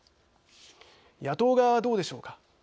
野党側はどうでしょうか。